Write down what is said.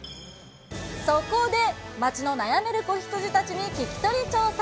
そこで、街の悩める子羊たちに聞き取り調査。